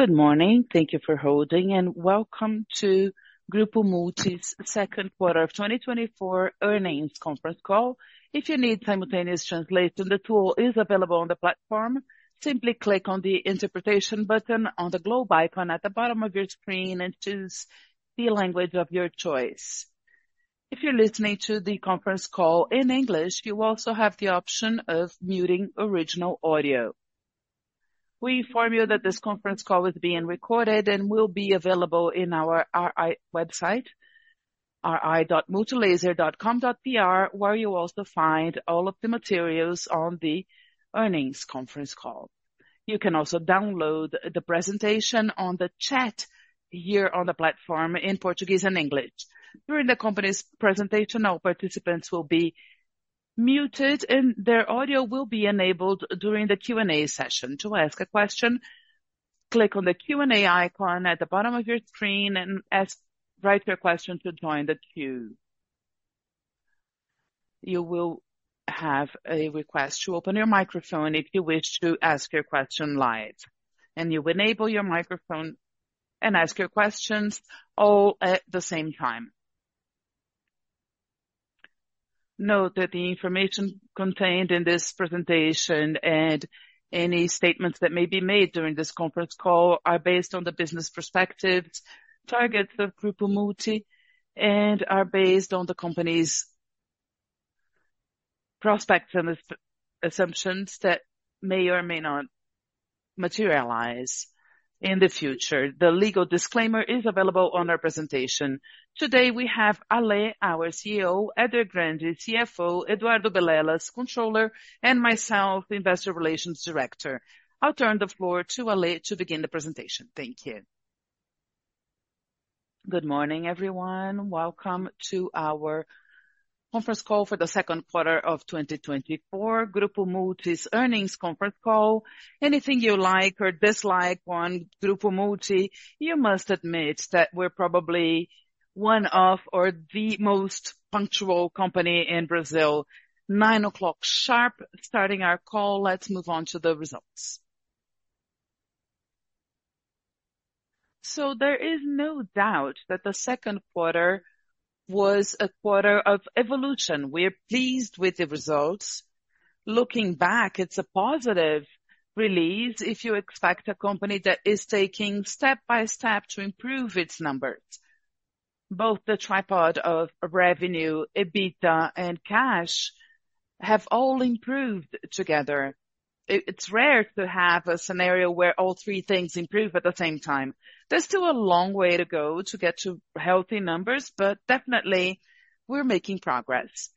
Good morning. Thank you for holding, and welcome to Grupo Multi's second quarter of 2024 earnings conference call. If you need simultaneous translation, the tool is available on the platform. Simply click on the interpretation button on the globe icon at the bottom of your screen and choose the language of your choice. If you're listening to the conference call in English, you also have the option of muting original audio. We inform you that this conference call is being recorded and will be available in our IR website, ri.multilaser.com.br, where you'll also find all of the materials on the earnings conference call. You can also download the presentation on the chat here on the platform in Portuguese and English. During the company's presentation, all participants will be muted, and their audio will be enabled during the Q&A session. To ask a question, click on the Q&A icon at the bottom of your screen and ask, write your question to join the queue. You will have a request to open your microphone if you wish to ask your question live, and you enable your microphone and ask your questions all at the same time. Note that the information contained in this presentation and any statements that may be made during this conference call are based on the business perspectives, targets of Grupo Multi, and are based on the company's prospects and assumptions that may or may not materialize in the future. The legal disclaimer is available on our presentation. Today, we have Ale, our CEO, Eder Grande, CFO, Eduardo Belelas, Controller, and myself, Investor Relations Director. I'll turn the floor to Ale to begin the presentation. Thank you. Good morning, everyone. Welcome to our conference call for the second quarter of 2024, Grupo Multi's earnings conference call. Anything you like or dislike on Grupo Multi, you must admit that we're probably one of or the most punctual company in Brazil. 9:00 A.M. sharp, starting our call. Let's move on to the results. So there is no doubt that the second quarter was a quarter of evolution. We're pleased with the results. Looking back, it's a positive release if you expect a company that is taking step by step to improve its numbers. Both the tripod of revenue, EBITDA, and cash have all improved together. It, it's rare to have a scenario where all three things improve at the same time. There's still a long way to go to get to healthy numbers, but definitely we're making progress.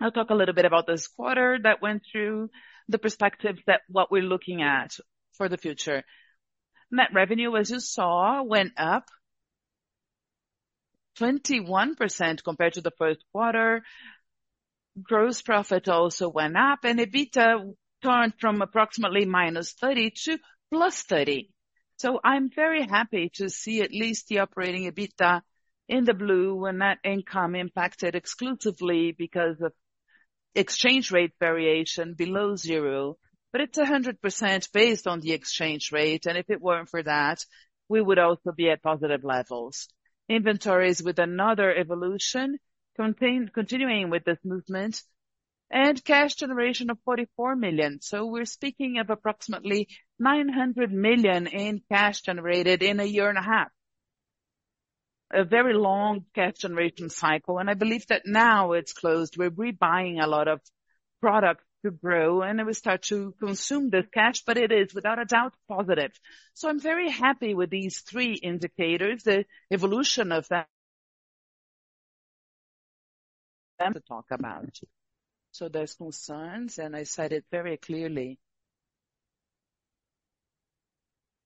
I'll talk a little bit about this quarter that went through, the perspectives that what we're looking at for the future. Net revenue, as you saw, went up 21% compared to the first quarter. Gross profit also went up, and EBITDA turned from approximately -30 million -+BRL 30 million. So I'm very happy to see at least the operating EBITDA in the blue when that income impacted exclusively because of exchange rate variation below zero. But it's 100% based on the exchange rate, and if it weren't for that, we would also be at positive levels. Inventories with another evolution continuing with this movement and cash generation of 44 million. So we're speaking of approximately 900 million in cash generated in a year and a half. A very long cash generation cycle, and I believe that now it's closed. We're rebuying a lot of product to grow, and then we start to consume the cash, but it is, without a doubt, positive. So I'm very happy with these three indicators. The evolution of that... I have to talk about. So there's concerns, and I said it very clearly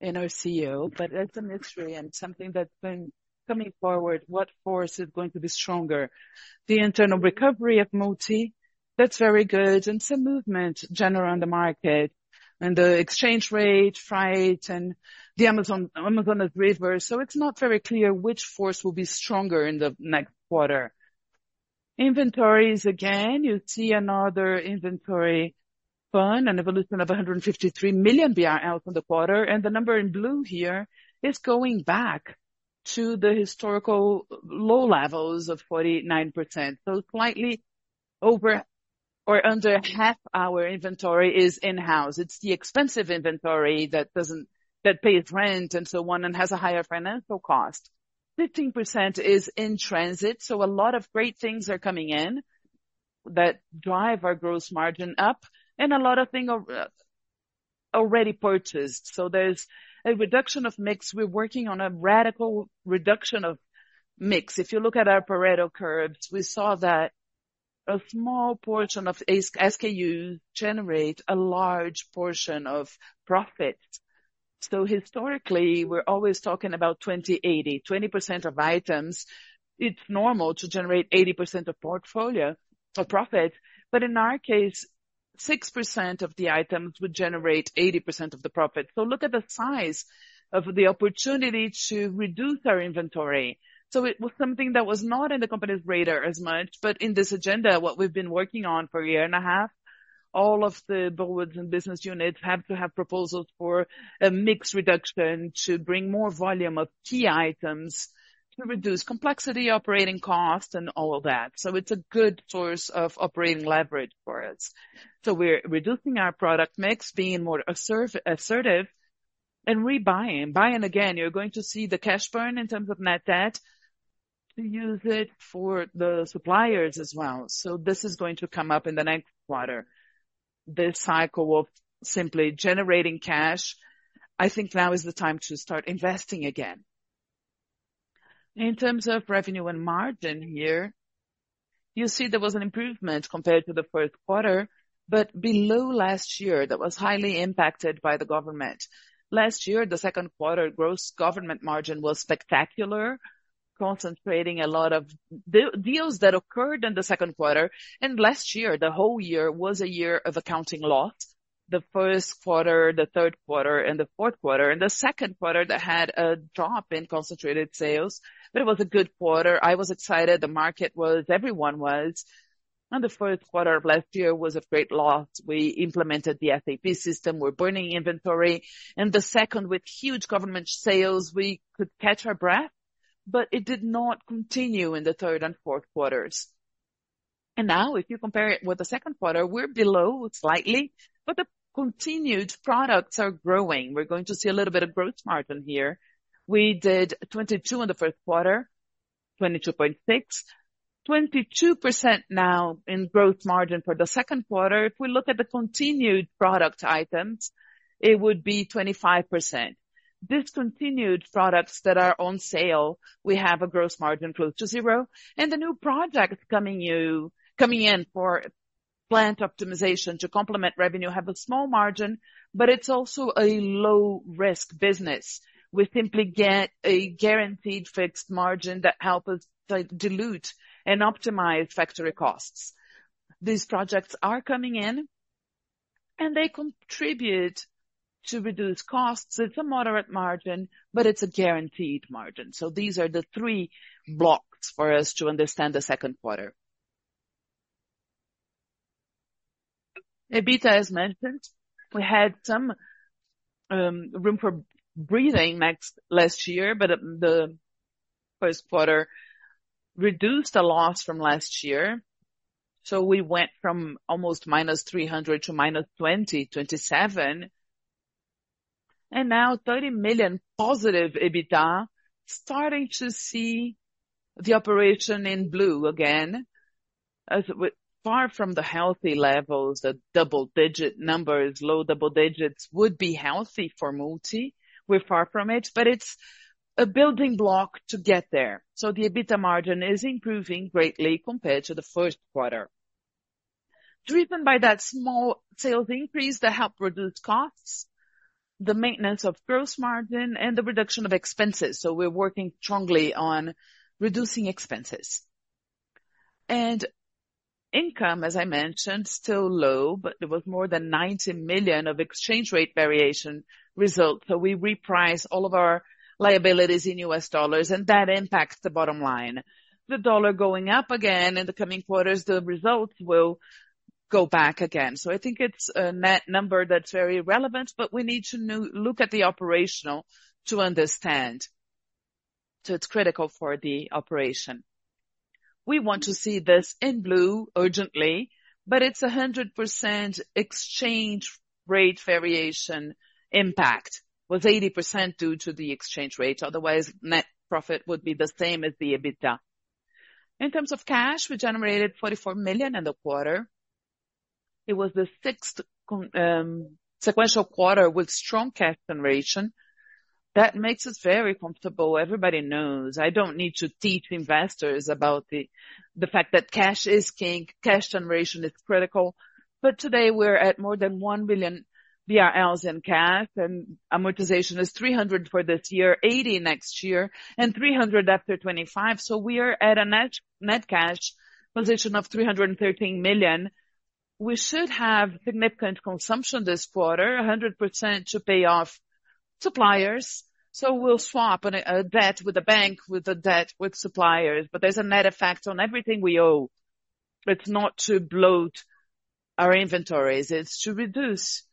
in our call, but it's a mystery and something that's been coming forward. What force is going to be stronger? The internal recovery of Multi, that's very good, and some movement general on the market, and the exchange rate, freight, and the Amazonas River. So it's not very clear which force will be stronger in the next quarter. Inventories, again, you see another inventory fund, an evolution of 153 million BRL from the quarter, and the number in blue here is going back to the historical low levels of 49%. Slightly over or under half our inventory is in-house. It's the expensive inventory that pays rent and so on and has a higher financial cost. 15% is in transit, so a lot of great things are coming in that drive our gross margin up and a lot of things are already purchased. So there's a reduction of mix. We're working on a radical reduction of mix. If you look at our Pareto curves, we saw that a small portion of a SKU generate a large portion of profit. So historically, we're always talking about 20/80, 20% of items, it's normal to generate 80% of portfolio, or profit, but in our case, 6% of the items would generate 80% of the profit. So look at the size of the opportunity to reduce our inventory. So it was something that was not in the company's radar as much, but in this agenda, what we've been working on for a year and a half—all of the boards and business units have to have proposals for a mix reduction to bring more volume of key items, to reduce complexity, operating costs, and all of that. So it's a good source of operating leverage for us. So we're reducing our product mix, being more assertive and rebuying. Buying again, you're going to see the cash burn in terms of net debt, to use it for the suppliers as well. So this is going to come up in the next quarter. This cycle of simply generating cash, I think now is the time to start investing again. In terms of revenue and margin here, you see there was an improvement compared to the first quarter, but below last year, that was highly impacted by the government. Last year, the second quarter, gross government margin was spectacular, concentrating a lot of deals that occurred in the second quarter. Last year, the whole year was a year of accounting loss. The first quarter, the third quarter and the fourth quarter, and the second quarter that had a drop in concentrated sales. But it was a good quarter. I was excited, the market was, everyone was. The fourth quarter of last year was a great loss. We implemented the SAP system, we're burning inventory, and the second, with huge government sales, we could catch our breath, but it did not continue in the third and fourth quarters. Now, if you compare it with the second quarter, we're below slightly, but the continued products are growing. We're going to see a little bit of gross margin here. We did 22 in the first quarter, 22.6. 22% now in gross margin for the second quarter. If we look at the continued product items, it would be 25%. Discontinued products that are on sale, we have a gross margin close to zero, and the new projects coming in for plant optimization to complement revenue, have a small margin, but it's also a low-risk business. We simply get a guaranteed fixed margin that help us, like, dilute and optimize factory costs. These projects are coming in, and they contribute to reduce costs. It's a moderate margin, but it's a guaranteed margin. So these are the three blocks for us to understand the second quarter. EBITDA, as mentioned, we had some room for breathing last year, but the first quarter reduced the loss from last year. So we went from almost -300 million to -27 million, and now 30 million positive EBITDA, starting to see the operation in blue again, as far from the healthy levels, the double digit numbers. Low double digits would be healthy for Multi. We're far from it, but it's a building block to get there. So the EBITDA margin is improving greatly compared to the first quarter. Driven by that small sales increase that help reduce costs, the maintenance of gross margin, and the reduction of expenses. So we're working strongly on reducing expenses. And income, as I mentioned, still low, but there was more than 90 million of exchange rate variation results. So we reprice all of our liabilities in U.S. dollars, and that impacts the bottom line. The dollar going up again in the coming quarters, the results will go back again. So I think it's a net number that's very relevant, but we need to look at the operational to understand. So it's critical for the operation. We want to see this in blue urgently, but it's 100% exchange rate variation impact. Was 80% due to the exchange rate, otherwise, net profit would be the same as the EBITDA. In terms of cash, we generated 44 million in the quarter. It was the sixth consecutive sequential quarter with strong cash generation. That makes us very comfortable. Everybody knows. I don't need to teach investors about the, the fact that cash is king, cash generation is critical. But today, we're at more than 1 billion BRL in cash, and amortization is 300 million this year, 80 million next year, and 300 million after 2025. So we are at a net, net cash position of 313 million. We should have significant consumption this quarter, 100% to pay off suppliers. So we'll swap on a debt with a bank, with a debt with suppliers. But there's a net effect on everything we owe. It's not to bloat our inventories, it's to reduce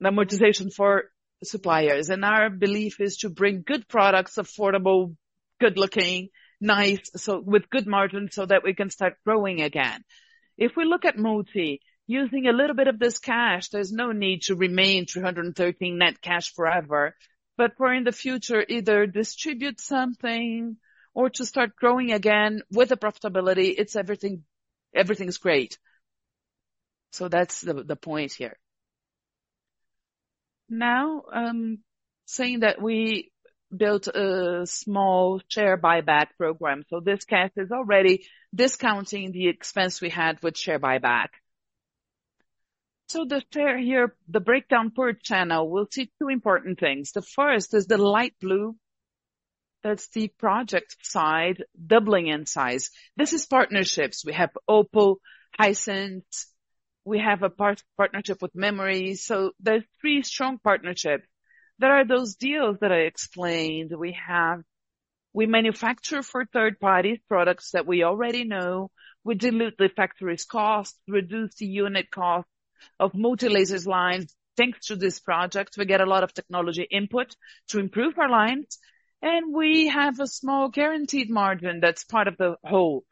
the amortization for suppliers. And our belief is to bring good products, affordable, good-looking, nice, so with good margins, so that we can start growing again. If we look at Multi, using a little bit of this cash, there's no need to remain 213 million net cash forever, but we're in the future, either distribute something or to start growing again with a profitability, it's everything—everything is great. So that's the, the point here. Now, saying that we built a small share buyback program, so this cash is already discounting the expense we had with share buyback. So the figure here, the breakdown per channel, we'll see two important things. The first is the light blue. That's the project side, doubling in size. This is partnerships. We have Oppo, Hisense, we have a partnership with Memory. So there are three strong partnership. There are those deals that I explained. We manufacture for third-party products that we already know. We dilute the factory's cost, reduce the unit cost of Multilaser lines. Thanks to this project, we get a lot of technology input to improve our lines, and we have a small guaranteed margin that's part of the whole.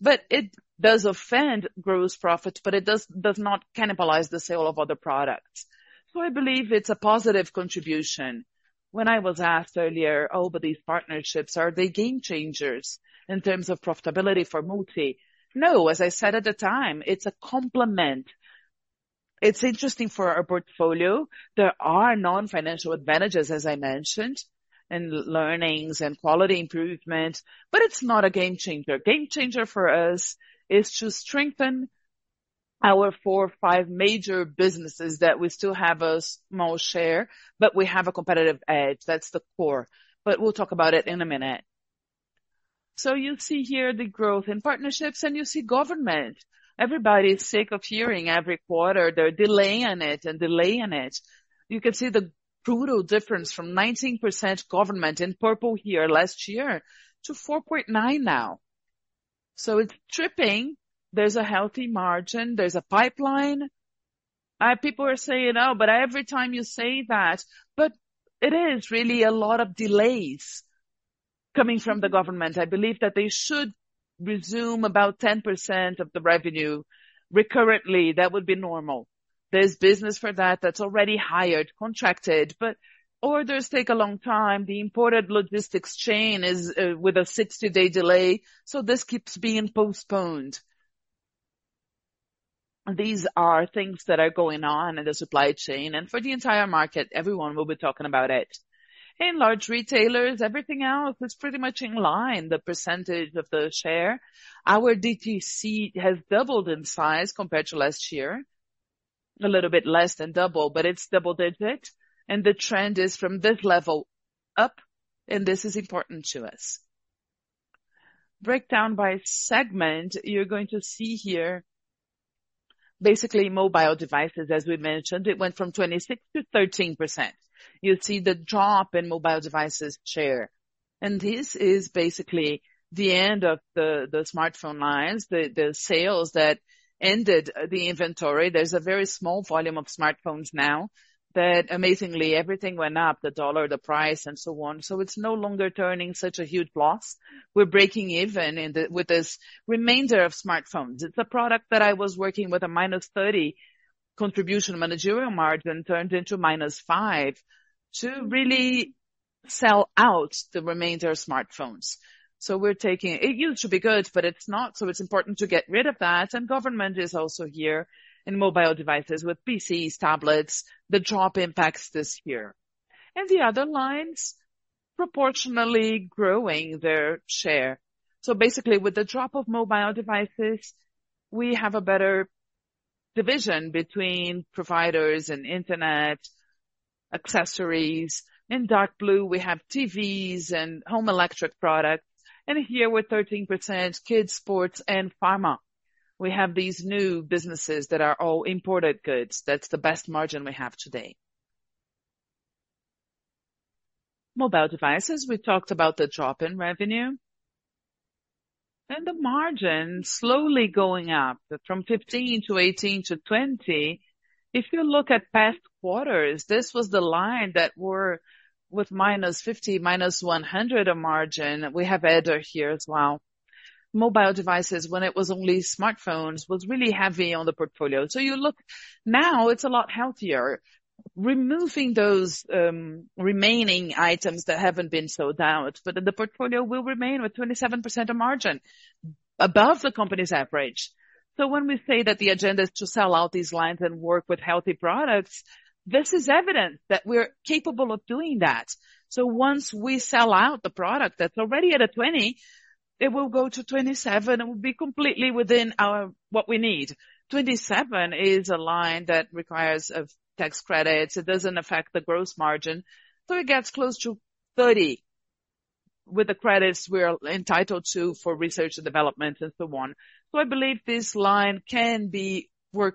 But it does affect gross profit, but it does not cannibalize the sale of other products. So I believe it's a positive contribution. When I was asked earlier, "Oh, but these partnerships, are they game changers in terms of profitability for Multi?" No, as I said at the time, it's a complement. It's interesting for our portfolio. There are non-financial advantages, as I mentioned, and learnings and quality improvement, but it's not a game changer. Game changer for us is to strengthen our four or five major businesses that we still have a small share, but we have a competitive edge. That's the core, but we'll talk about it in a minute. So you see here the growth in partnerships, and you see government. Everybody is sick of hearing every quarter, they're delaying it and delaying it. You can see the brutal difference from 19% government in purple here last year to 4.9% now. So it's tripping. There's a healthy margin, there's a pipeline. People are saying, "Oh, but every time you say that..." But it is really a lot of delays coming from the government. I believe that they should resume about 10% of the revenue recurrently. That would be normal. There's business for that, that's already hired, contracted, but orders take a long time. The imported logistics chain is, with a 60-day delay, so this keeps being postponed. These are things that are going on in the supply chain, and for the entire market, everyone will be talking about it. In large retailers, everything else is pretty much in line, the percentage of the share. Our DTC has doubled in size compared to last year. A little bit less than double, but it's double digit, and the trend is from this level up, and this is important to us. Breakdown by segment, you're going to see here, basically, mobile devices, as we mentioned, it went from 26%-13%. You'll see the drop in mobile devices share, and this is basically the end of the smartphone lines, the sales that ended the inventory. There's a very small volume of smartphones now, but amazingly, everything went up, the dollar, the price, and so on. So it's no longer turning such a huge loss. We're breaking even in the with this remainder of smartphones. It's a product that I was working with a -30 contribution managerial margin, turned into -5 to really sell out the remainder of smartphones. So we're taking... It used to be good, but it's not, so it's important to get rid of that. And government is also here in mobile devices with PCs, tablets. The drop impacts this year. And the other lines, proportionally growing their share. So basically, with the drop of mobile devices, we have a better division between providers and internet, accessories. In dark blue, we have TVs and home electric products, and here, with 13%, kids, sports, and pharma. We have these new businesses that are all imported goods. That's the best margin we have today. Mobile devices, we talked about the drop in revenue. The margin slowly going up from 15%-18%-20%. If you look at past quarters, this was the line that were with -50, -100 of margin. We have adder here as well. Mobile devices, when it was only smartphones, was really heavy on the portfolio. So you look now, it's a lot healthier. Removing those, remaining items that haven't been sold out, but then the portfolio will remain with 27% of margin, above the company's average. So when we say that the agenda is to sell out these lines and work with healthy products, this is evidence that we're capable of doing that. So once we sell out the product that's already at a 20, it will go to 27%, and we'll be completely within our, what we need. 27% is a line that requires of tax credits. It doesn't affect the gross margin, so it gets close to 30% with the credits we're entitled to for research and development and so on. So I believe this line can be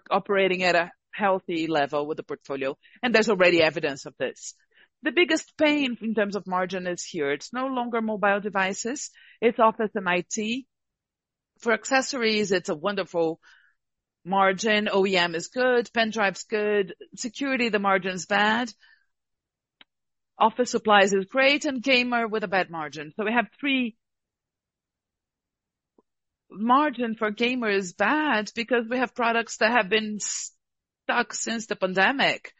operating at a healthy level with the portfolio, and there's already evidence of this. The biggest pain in terms of margin is here. It's no longer mobile devices, it's office and IT. For accessories, it's a wonderful margin. OEM is good, pen drive's good. Security, the margin's bad. Office supplies is great, and gamer with a bad margin. So margin for gamer is bad because we have products that have been stuck since the pandemic,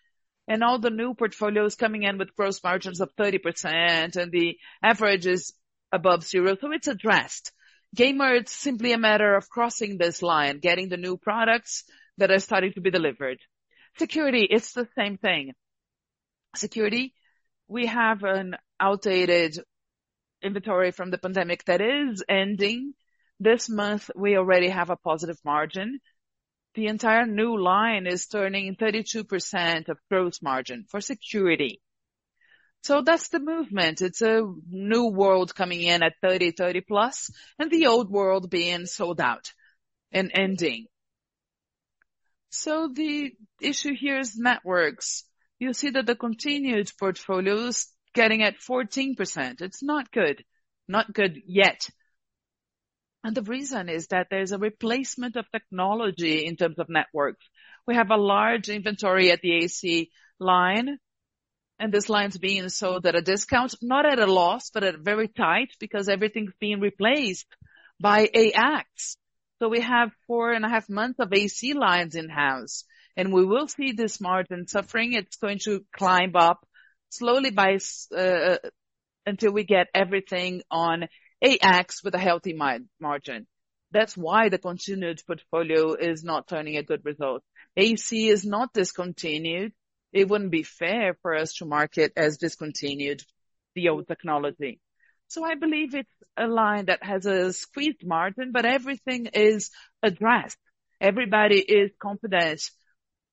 and all the new portfolios coming in with gross margins of 30%, and the average is above zero, so it's addressed. Gaming, it's simply a matter of crossing this line, getting the new products that are starting to be delivered. Security, it's the same thing. Security, we have an outdated inventory from the pandemic that is ending. This month, we already have a positive margin. The entire new line is turning 32% of gross margin for security. So that's the movement. It's a new world coming in at 30, 30+, and the old world being sold out and ending. So the issue here is networks. You'll see that the current portfolio is getting at 14%. It's not good, not good yet. And the reason is that there's a replacement of technology in terms of network. We have a large inventory at the AC line, and this line's being sold at a discount, not at a loss, but at very tight, because everything's being replaced by AX. So we have 4.5 months of AC lines in-house, and we will see this margin suffering. It's going to climb up slowly until we get everything on AX with a healthy margin. That's why the continued portfolio is not turning a good result. AC is not discontinued. It wouldn't be fair for us to market as discontinued the old technology. So I believe it's a line that has a squeezed margin, but everything is addressed. Everybody is confident.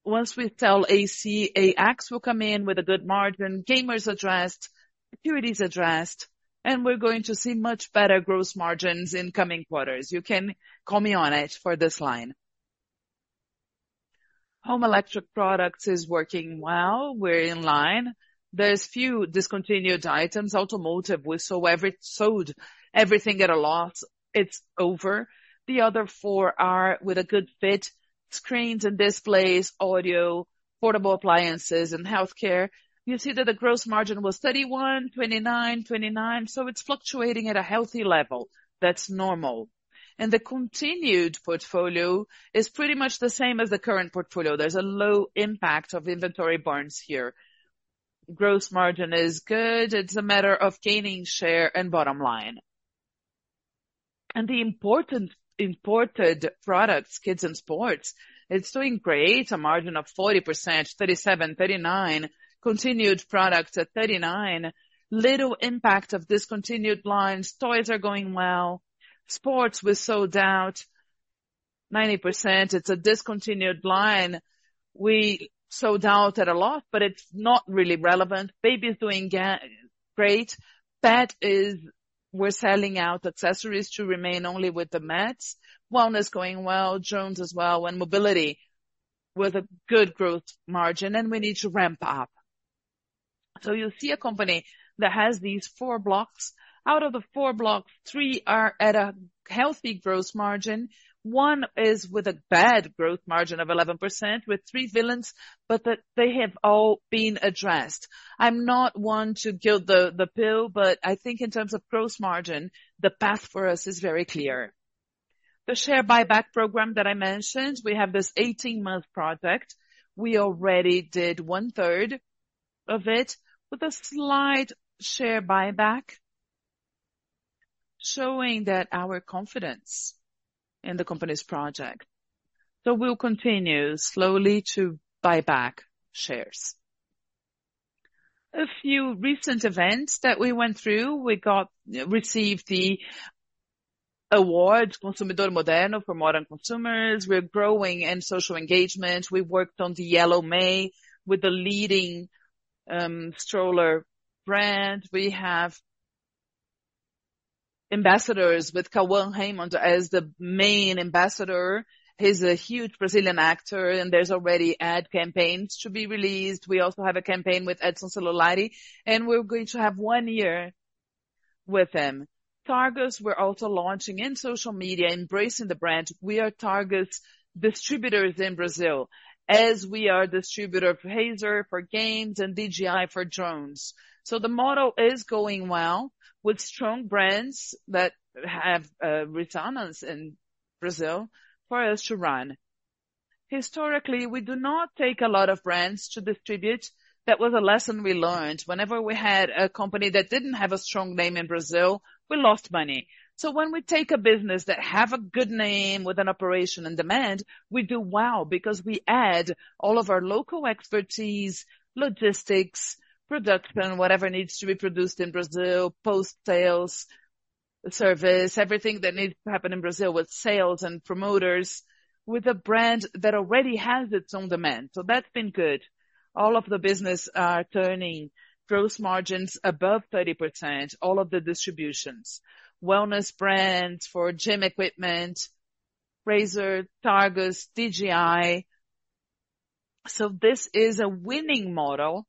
Once we sell AC, AX will come in with a good margin, gamers addressed, security is addressed, and we're going to see much better gross margins in coming quarters. You can call me on it for this line. Home Electric Products is working well. We're in line. There's few discontinued items. Automotive, we sold everything at a loss. It's over. The other four are with a good fit. Screens and displays, audio, portable appliances, and healthcare. You'll see that the gross margin was 31%, 29%, 29%, so it's fluctuating at a healthy level. That's normal. And the continued portfolio is pretty much the same as the current portfolio. There's a low impact of inventory burns here. Gross margin is good. It's a matter of gaining share and bottom line. And the important imported products, kids and sports, it's doing great, a margin of 40%, 37/39, continued products at 39%. Little impact of discontinued lines. Toys are going well. Sports, we sold out 90%. It's a discontinued line. We sold out a lot, but it's not really relevant. Baby is doing great. Pet is... We're selling out accessories to remain only with the mats. Wellness is going well, drones as well, and mobility, with a good growth margin, and we need to ramp up. So you'll see a company that has these four blocks. Out of the four blocks, three are at a healthy growth margin. One is with a bad growth margin of 11%, with three villains, but that they have all been addressed. I'm not one to gild the lily, but I think in terms of gross margin, the path for us is very clear. The share buyback program that I mentioned, we have this 18-month project. We already did one-third of it with a slight share buyback, showing that our confidence in the company's project. So we'll continue slowly to buy back shares. A few recent events that we went through: we received the award, Consumidor Moderno, for modern consumers. We're growing in social engagement. We've worked on the Yellow May with a leading stroller brand. We have ambassadors, with Cauã Reymond as the main ambassador. He's a huge Brazilian actor, and there's already ad campaigns to be released. We also have a campaign with Edson Celulari, and we're going to have one year with him. Targus, we're also launching in social media, embracing the brand. We are Targus distributors in Brazil, as we are distributor for Razer, for games, and DJI for drones. So the model is going well, with strong brands that have resonance in Brazil for us to run. Historically, we do not take a lot of brands to distribute. That was a lesson we learned. Whenever we had a company that didn't have a strong name in Brazil, we lost money. So when we take a business that have a good name with an operation and demand, we do well because we add all of our local expertise, logistics, production, whatever needs to be produced in Brazil, post-sales, service, everything that needs to happen in Brazil with sales and promoters, with a brand that already has its own demand. So that's been good. All of the business are turning gross margins above 30%, all of the distributions. Wellness brands for gym equipment, Razer, Targus, DJI. So this is a winning model.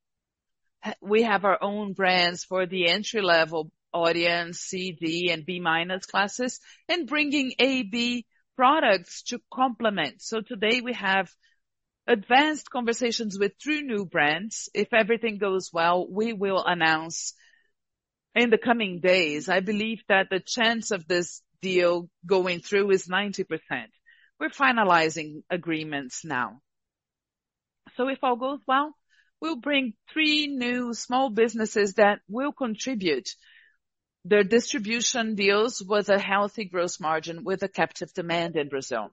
We have our own brands for the entry-level audience, C, D, and B minus classes, and bringing A, B products to complement. So today we have advanced conversations with 3 new brands. If everything goes well, we will announce in the coming days. I believe that the chance of this deal going through is 90%. We're finalizing agreements now. So if all goes well, we'll bring three new small businesses that will contribute their distribution deals with a healthy growth margin, with a captive demand in Brazil.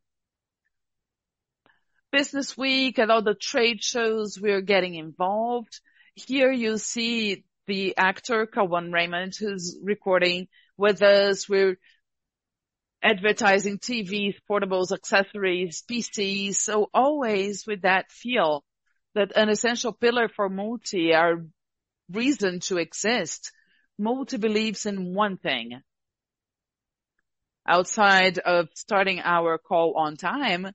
Business Week and other trade shows, we are getting involved. Here you see the actor, Cauã Reymond, who's recording with us. We're advertising TVs, portables, accessories, PCs. So always with that feel that an essential pillar for Multi, our reason to exist, Multi believes in one thing:... outside of starting our call on time.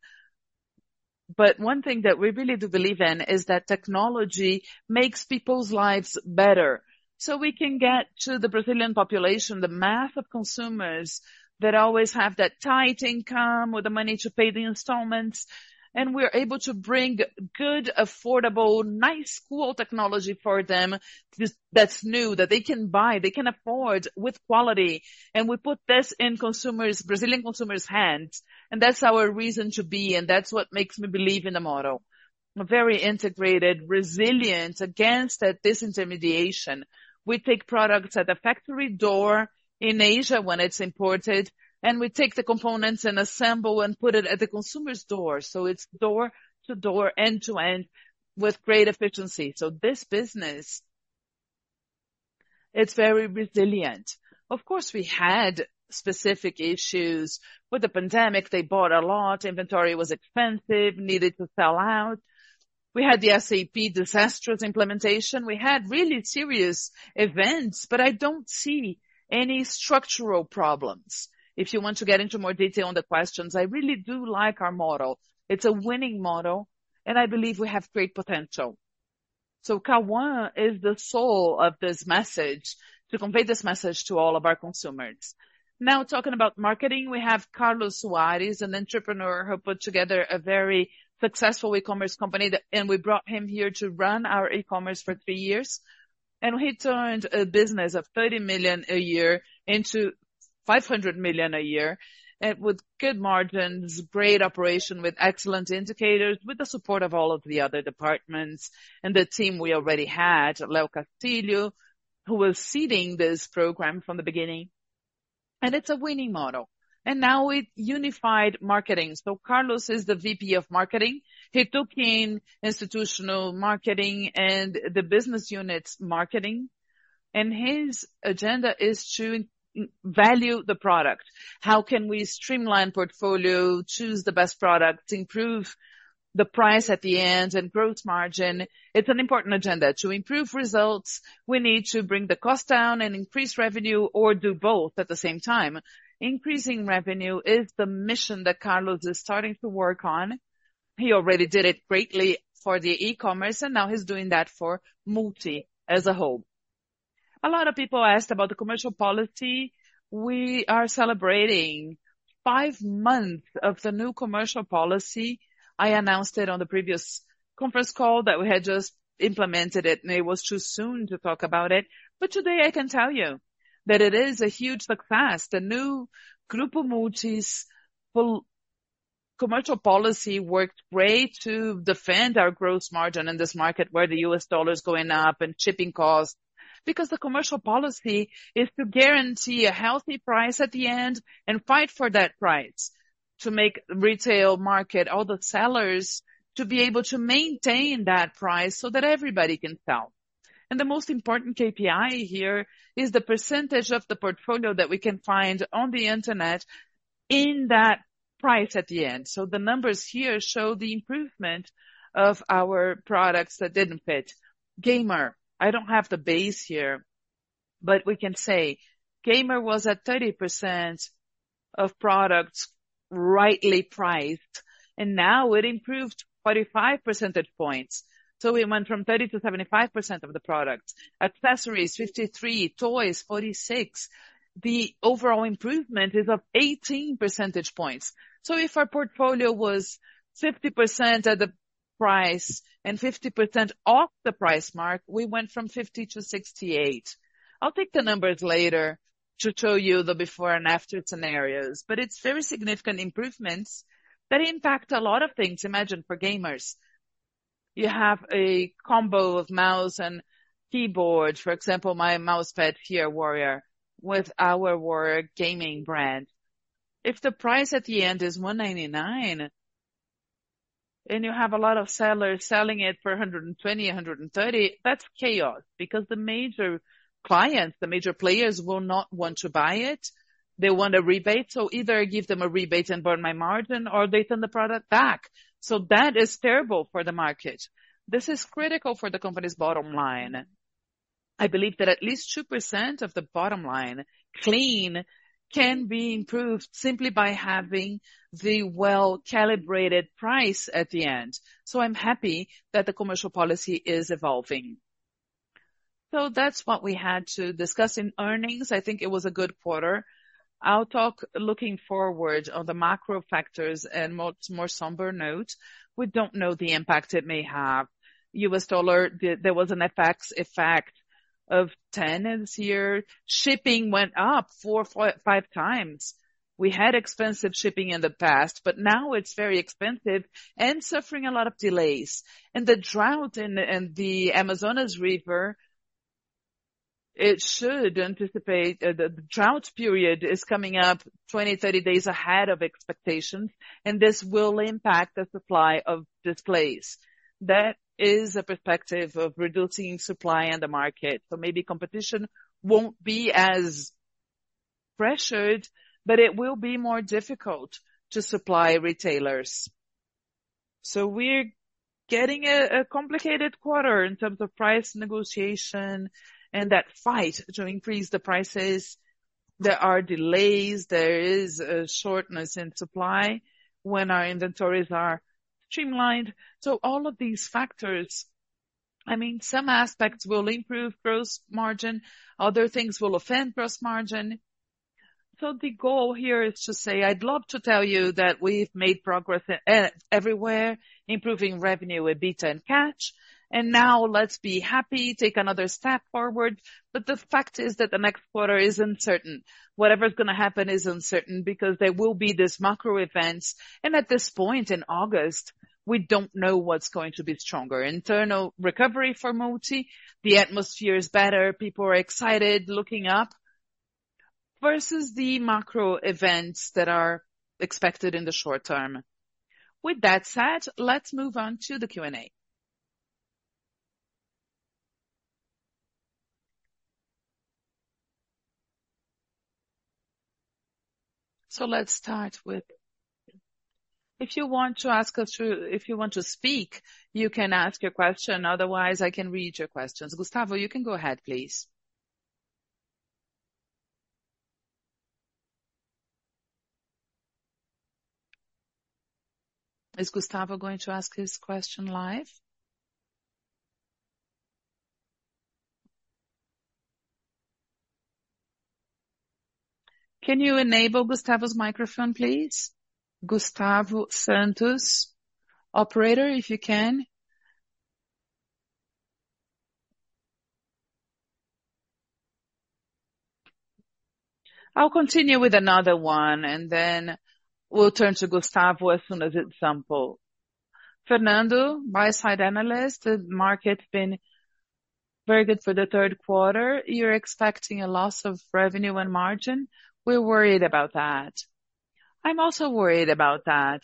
But one thing that we really do believe in is that technology makes people's lives better. So we can get to the Brazilian population, the mass of consumers that always have that tight income or the money to pay the installments, and we're able to bring good, affordable, nice, cool technology for them, that's new, that they can buy, they can afford, with quality. We put this in consumers'—Brazilian consumers' hands, and that's our reason to be, and that's what makes me believe in the model. We're very integrated, resilient against that disintermediation. We take products at the factory door in Asia when it's imported, and we take the components and assemble and put it at the consumer's door. So it's door to door, end to end, with great efficiency. So this business, it's very resilient. Of course, we had specific issues. With the pandemic, they bought a lot, inventory was expensive, needed to sell out. We had the SAP disastrous implementation. We had really serious events, but I don't see any structural problems. If you want to get into more detail on the questions, I really do like our model. It's a winning model, and I believe we have great potential. So Cauã is the soul of this message, to convey this message to all of our consumers. Now, talking about marketing, we have Carlos Soares, an entrepreneur who put together a very successful e-commerce company, that and we brought him here to run our e-commerce for three years, and he turned a business of 30 million a year into 500 million a year, and with good margins, great operation, with excellent indicators, with the support of all of the other departments and the team we already had, Leo Castilho, who was seeding this program from the beginning. It's a winning model. Now with unified marketing. Carlos is the VP of marketing. He took in institutional marketing and the business unit's marketing, and his agenda is to value the product. How can we streamline portfolio, choose the best product, improve the price at the end, and growth margin? It's an important agenda. To improve results, we need to bring the cost down and increase revenue or do both at the same time. Increasing revenue is the mission that Carlos is starting to work on. He already did it greatly for the e-commerce, and now he's doing that for Multi as a whole. A lot of people asked about the commercial policy. We are celebrating five months of the new commercial policy. I announced it on the previous conference call that we had just implemented it, and it was too soon to talk about it. But today, I can tell you that it is a huge success. The new Grupo Multi's commercial policy worked great to defend our gross margin in this market where the US dollar is going up and shipping costs. Because the commercial policy is to guarantee a healthy price at the end and fight for that price, to make retail market, all the sellers, to be able to maintain that price so that everybody can sell. The most important KPI here is the percentage of the portfolio that we can find on the Internet in that price at the end. So the numbers here show the improvement of our products that didn't fit. Gamer, I don't have the base here, but we can say Gamer was at 30% of products rightly priced, and now it improved 45 percentage points. So we went from 30%-75% of the products. Accessories, 53%; toys, 46%. The overall improvement is of 18 percentage points. So if our portfolio was 50% at the price and 50% off the price mark, we went from 50%-68%. I'll take the numbers later to show you the before and after scenarios, but it's very significant improvements that impact a lot of things. Imagine for gamers, you have a combo of mouse and keyboard, for example, my mouse pad Fire Warrior, with our Warrior gaming brand. If the price at the end is 199, and you have a lot of sellers selling it for 120, 130, that's chaos, because the major clients, the major players, will not want to buy it. They want a rebate, so either I give them a rebate and burn my margin, or they send the product back. So that is terrible for the market. This is critical for the company's bottom line. I believe that at least 2% of the bottom line, clean, can be improved simply by having the well-calibrated price at the end. So I'm happy that the commercial policy is evolving. So that's what we had to discuss in earnings. I think it was a good quarter. I'll talk looking forward on the macro factors and more, more somber notes. We don't know the impact it may have. U.S. dollar, the, there was an effect of 10 this year. Shipping went up four to five times. We had expensive shipping in the past, but now it's very expensive and suffering a lot of delays. And the drought in the Amazonas River, it should anticipate. The drought period is coming up 20-30 days ahead of expectation, and this will impact the supply of displays. That is a perspective of reducing supply in the market. So maybe competition won't be as pressured, but it will be more difficult to supply retailers. So we're getting a complicated quarter in terms of price negotiation and that fight to increase the prices. There are delays. There is a shortness in supply when our inventories are streamlined. So all of these factors, I mean, some aspects will improve gross margin, other things will offend gross margin. So the goal here is to say, I'd love to tell you that we've made progress everywhere, improving revenue with EBITDA and cash, and now let's be happy, take another step forward. But the fact is that the next quarter is uncertain. Whatever is gonna happen is uncertain, because there will be these macro events, and at this point in August, we don't know what's going to be stronger: internal recovery for Multi, the atmosphere is better, people are excited, looking up, versus the macro events that are expected in the short term. With that said, let's move on to the Q&A. So let's start with... If you want to speak, you can ask your question. Otherwise, I can read your questions. Gustavo, you can go ahead, please. Is Gustavo going to ask his question live? Can you enable Gustavo's microphone, please? Gustavo Santos. Operator, if you can. I'll continue with another one, and then we'll turn to Gustavo as soon as it's unmuted. Fernando, buy-side analyst. "The market's been very good for the third quarter. You're expecting a loss of revenue and margin. We're worried about that." I'm also worried about that.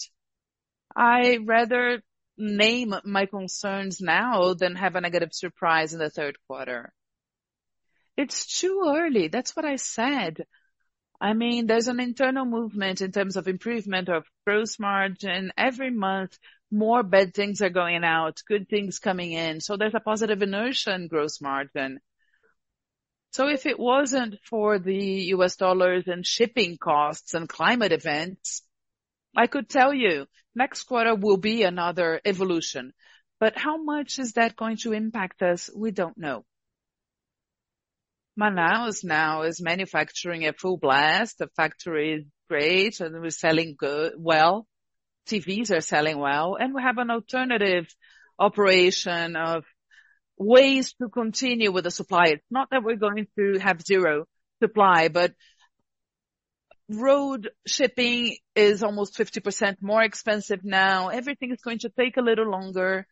I rather name my concerns now than have a negative surprise in the third quarter. It's too early. That's what I said. I mean, there's an internal movement in terms of improvement of gross margin. Every month, more bad things are going out, good things coming in, so there's a positive inertia in gross margin. So if it wasn't for the U.S. dollars, and shipping costs, and climate events, I could tell you, next quarter will be another evolution. But how much is that going to impact us? We don't know. Manaus now is manufacturing at full blast. The factory is great, and we're selling good, well. TVs are selling well, and we have an alternative operation of ways to continue with the supply. It's not that we're going to have zero supply, but road shipping is almost 50% more expensive now. Everything is going to take a little longer.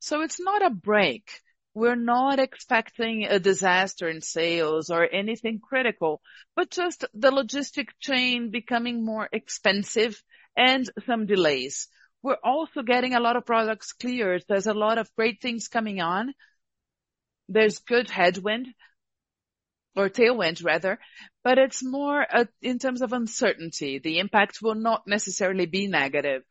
So it's not a break. We're not expecting a disaster in sales or anything critical, but just the logistic chain becoming more expensive and some delays. We're also getting a lot of products cleared. There's a lot of great things coming on. There's good headwind, or tailwind rather, but it's more in terms of uncertainty. The impact will not necessarily be negative.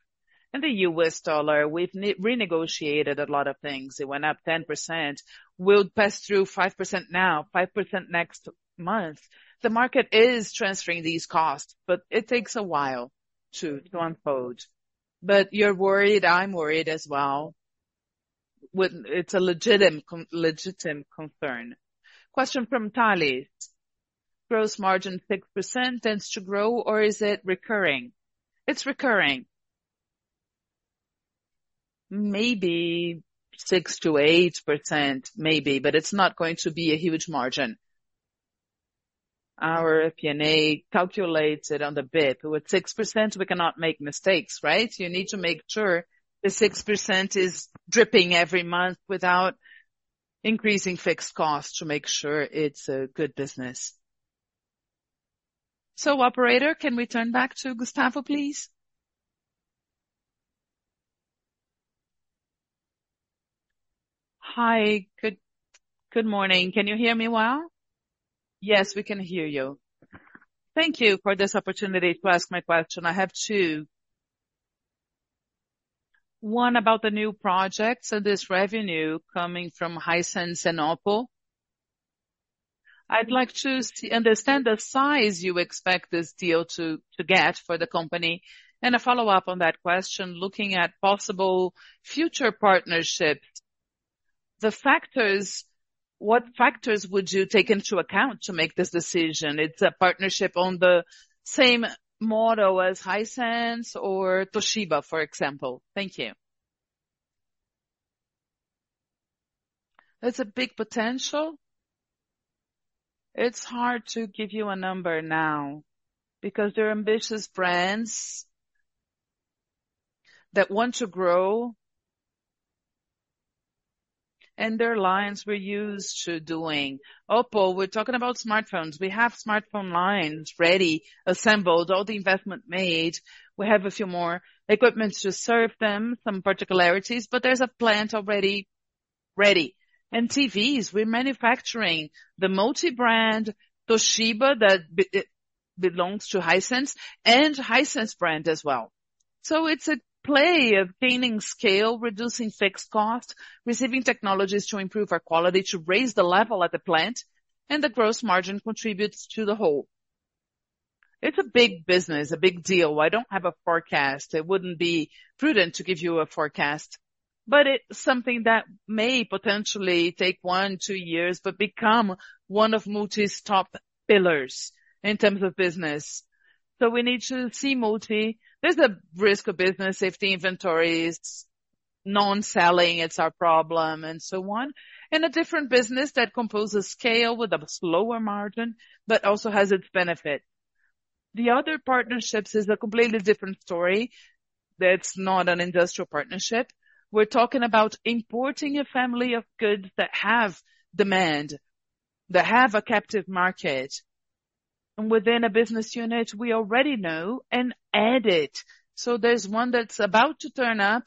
And the U.S. dollar, we've renegotiated a lot of things. It went up 10%. We'll pass through 5% now, 5% next month. The market is transferring these costs, but it takes a while to unfold. But you're worried, I'm worried as well. It's a legitimate concern. Question from Thales: "Gross margin, 6%, tends to grow, or is it recurring?" It's recurring. Maybe 6%-8%, maybe, but it's not going to be a huge margin. Our FP&A calculates it on the bid. With 6%, we cannot make mistakes, right? You need to make sure the 6% is dripping every month without increasing fixed costs, to make sure it's a good business. So Operator, can we turn back to Gustavo, please? Hi, good, good morning. Can you hear me well? Yes, we can hear you. Thank you for this opportunity to ask my question. I have two. One about the new projects and this revenue coming from Hisense and Oppo. I'd like to understand the size you expect this deal to get for the company. And a follow-up on that question, looking at possible future partnerships, the factors, what factors would you take into account to make this decision? It's a partnership on the same model as Hisense or Toshiba, for example. Thank you. It's a big potential. It's hard to give you a number now, because they're ambitious brands that want to grow, and their lines we're used to doing. Oppo, we're talking about smartphones. We have smartphone lines ready, assembled, all the investment made. We have a few more equipment to serve them, some particularities, but there's a plant already ready. And TVs, we're manufacturing the Multi brand, Toshiba, that it belongs to Hisense, and Hisense brand as well. So it's a play of gaining scale, reducing fixed costs, receiving technologies to improve our quality, to raise the level at the plant, and the gross margin contributes to the whole. It's a big business, a big deal. I don't have a forecast. It wouldn't be prudent to give you a forecast, but it's something that may potentially take one, two years, but become one of Multi's top pillars in terms of business. So we need to see Multi. There's a risk of business if the inventory is non-selling, it's our problem, and so on. In a different business that composes scale with a slower margin, but also has its benefit. The other partnerships is a completely different story. That's not an industrial partnership. We're talking about importing a family of goods that have demand, that have a captive market, and within a business unit, we already know and add it. So there's one that's about to turn up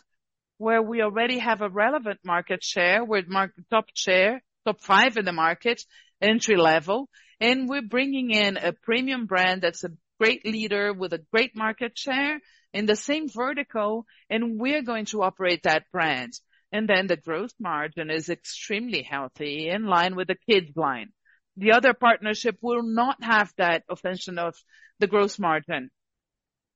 where we already have a relevant market share, with market top share, top five in the market, entry level, and we're bringing in a premium brand that's a great leader with a great market share in the same vertical, and we're going to operate that brand. And then the gross margin is extremely healthy, in line with the kids' line. The other partnership will not have that extension of the gross margin,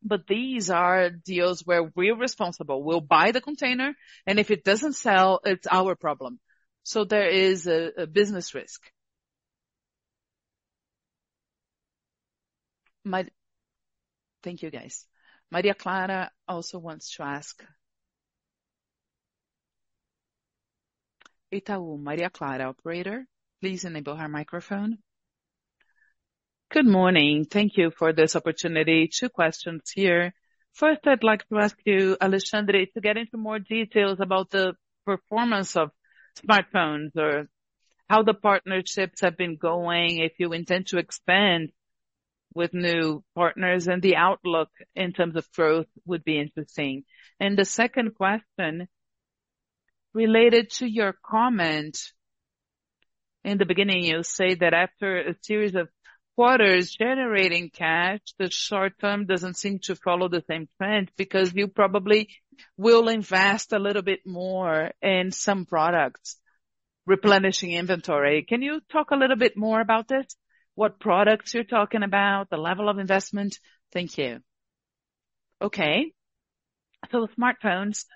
but these are deals where we're responsible. We'll buy the container, and if it doesn't sell, it's our problem. So there is a business risk. Thank you, guys. Maria Clara also wants to ask. Itaú, Maria Clara, operator, please enable her microphone. Good morning. Thank you for this opportunity. Two questions here. First, I'd like to ask you, Alexandre, to get into more details about the performance of smartphones or how the partnerships have been going, if you intend to expand with new partners, and the outlook in terms of growth would be interesting. The second question, related to your comment in the beginning, you say that after a series of quarters generating cash, the short term doesn't seem to follow the same trend because you probably will invest a little bit more in some products, replenishing inventory. Can you talk a little bit more about this? What products you're talking about, the level of investment? Thank you. Okay. So the smartphones,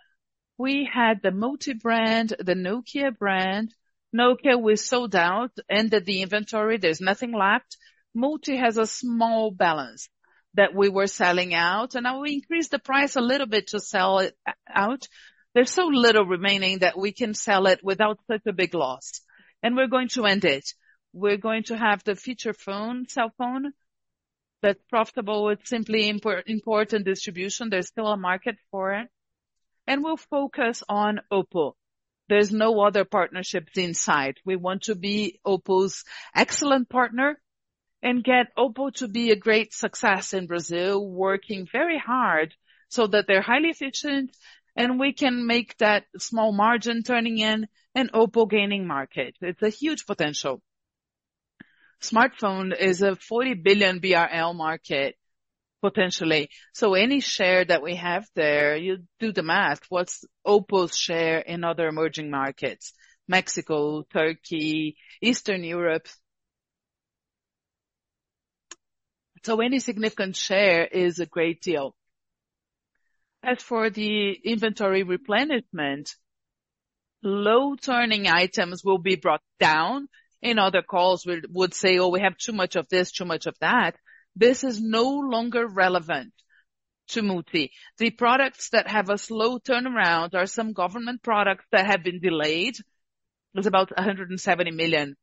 we had the Multi brand, the Nokia brand. Nokia was sold out, ended the inventory. There's nothing left. Multi has a small balance that we were selling out, and now we increased the price a little bit to sell it out. There's so little remaining that we can sell it without such a big loss, and we're going to end it. We're going to have the feature phone, cell phone, that's profitable. It's simply import, import and distribution. There's still a market for it, and we'll focus on Oppo. There's no other partnerships in sight. We want to be Oppo's excellent partner and get Oppo to be a great success in Brazil, working very hard so that they're highly efficient and we can make that small margin turning in and Oppo gaining market. It's a huge potential. Smartphone is a 40 billion BRL market, potentially. So any share that we have there, you do the math. What's Oppo's share in other emerging markets? Mexico, Turkey, Eastern Europe. So any significant share is a great deal. As for the inventory replenishment, low-turning items will be brought down. In other calls, we would say, "Oh, we have too much of this, too much of that." This is no longer relevant to Multi. The products that have a slow turnaround are some government products that have been delayed. There's about 170 million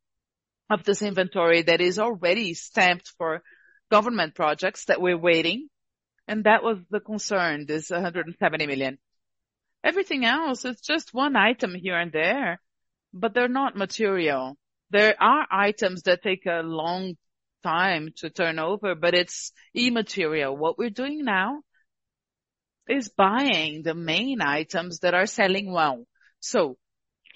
of this inventory that is already stamped for government projects that we're waiting, and that was the concern, this 170 million. Everything else is just one item here and there, but they're not material. There are items that take a long time to turn over, but it's immaterial. What we're doing now is buying the main items that are selling well, so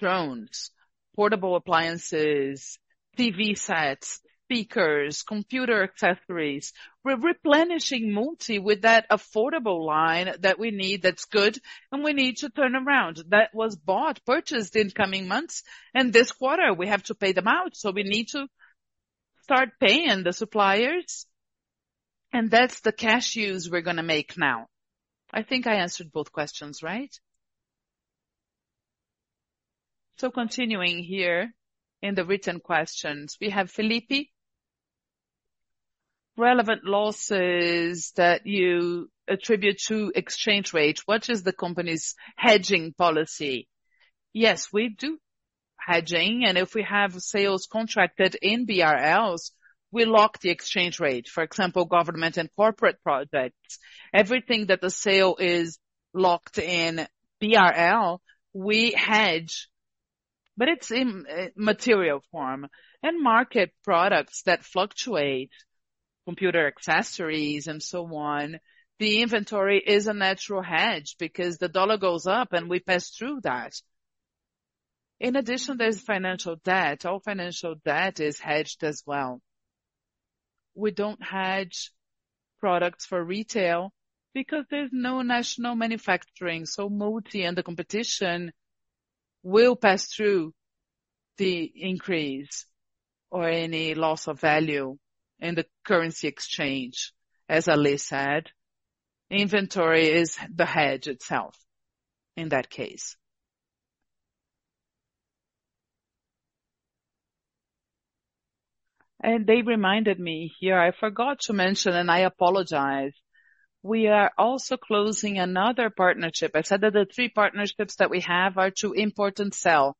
drones, portable appliances, TV sets, speakers, computer accessories. We're replenishing Multi with that affordable line that we need, that's good, and we need to turn around. That was bought, purchased in coming months, and this quarter, we have to pay them out, so we need to start paying the suppliers, and that's the cash use we're gonna make now. I think I answered both questions, right? So continuing here in the written questions, we have Felipe: Relevant losses that you attribute to exchange rate, what is the company's hedging policy? Yes, we do hedging, and if we have sales contracted in BRLs, we lock the exchange rate, for example, government and corporate projects. Everything that the sale is locked in BRL, we hedge, but it's in material form. And market products that fluctuate—computer accessories and so on, the inventory is a natural hedge because the dollar goes up and we pass through that. In addition, there's financial debt. All financial debt is hedged as well. We don't hedge products for retail because there's no national manufacturing, so Multi and the competition will pass through the increase or any loss of value in the currency exchange, as Ale said. Inventory is the hedge itself, in that case. They reminded me here, I forgot to mention, and I apologize, we are also closing another partnership. I said that the three partnerships that we have are to import and sell.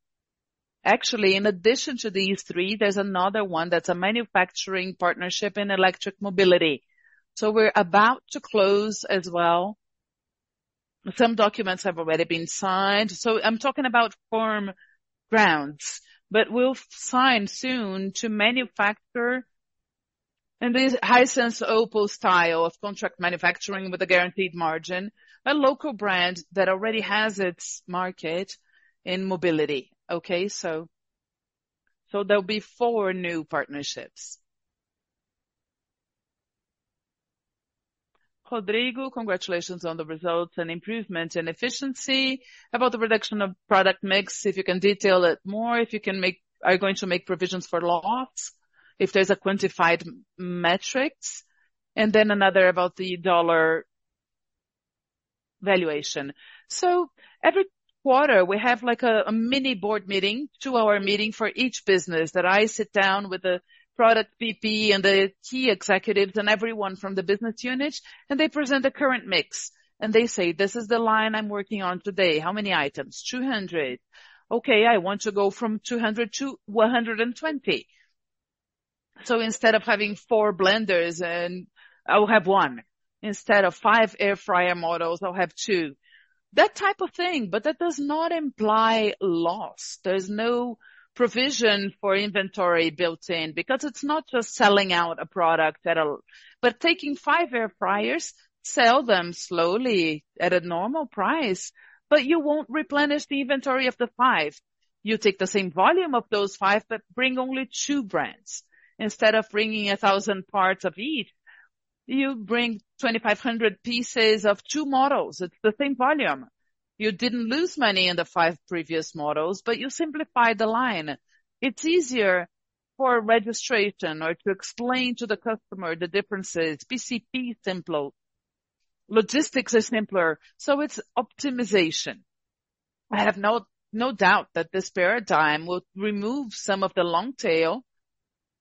Actually, in addition to these three, there's another one that's a manufacturing partnership in electric mobility. So we're about to close as well. Some documents have already been signed, so I'm talking about firm ground. But we'll sign soon to manufacture, and this Hisense Oppo style of contract manufacturing with a guaranteed margin, a local brand that already has its market in mobility. Okay, so there'll be 4 new partnerships. Rodrigo, congratulations on the results and improvement in efficiency. About the reduction of product mix, if you can detail it more, are you going to make provisions for loss, if there's a quantified metrics? Then another about the dollar valuation. So every quarter, we have like a mini board meeting, 2-hour meeting, for each business that I sit down with the product VP and the key executives and everyone from the business unit, and they present the current mix, and they say, "This is the line I'm working on today." "How many items?" "200." "Okay, I want to go from 200 to 120." So instead of having four blenders in, I'll have one. Instead of five air fryer models, I'll have two. That type of thing, but that does not imply loss. There's no provision for inventory built in, because it's not just selling out a product, but taking five air fryers, sell them slowly at a normal price, but you won't replenish the inventory of the five. You take the same volume of those five, but bring only two brands. Instead of bringing 1,000 parts of each, you bring 2,500 pieces of two models. It's the same volume. You didn't lose money in the five previous models, but you simplified the line. It's easier for registration or to explain to the customer the differences. PCP is simpler. Logistics is simpler, so it's optimization. I have no, no doubt that this paradigm will remove some of the long tail